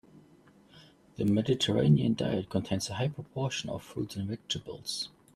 The Mediterranean diet contains a high proportion of fruits and vegetables.